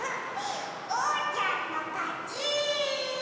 おうちゃんのかち！